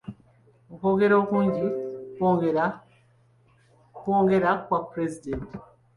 Okwogera kungi ku kwogera kwa pulezidenti.